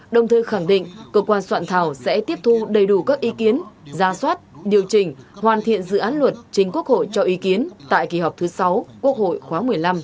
đồng thời khẳng định cơ quan soạn thảo sẽ tiếp thu đầy đủ các ý kiến ra soát điều chỉnh hoàn thiện dự án luật chính quốc hội cho ý kiến tại kỳ họp thứ sáu quốc hội khóa một mươi năm